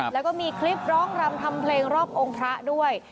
แล้วก็มีคลิปร้องรำทำเพลงรอบองค์พระด้วย